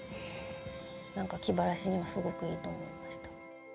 なんか気晴らしにはすごくいいと思いました。